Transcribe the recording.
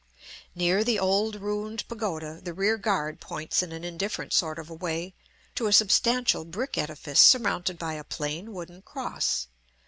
Near the old ruined pagoda the rear guard points in an indifferent sort of a way to a substantial brick edifice surmounted by a plain wooden cross.